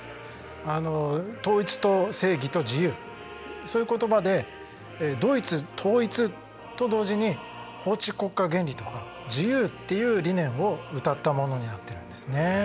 統一と正義と自由そういう言葉でドイツ統一と同時に法治国家原理とか自由っていう理念をうたったものになっているんですね。